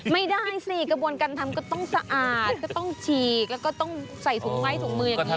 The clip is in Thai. ไม่ได้สิกระบวนการทำก็ต้องสะอาดก็ต้องฉีกแล้วก็ต้องใส่ถุงไม้ถุงมืออย่างนี้